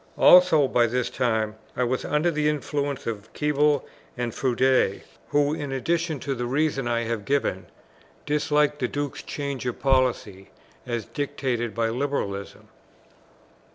Also by this time I was under the influence of Keble and Froude; who, in addition to the reasons I have given, disliked the Duke's change of policy as dictated by liberalism.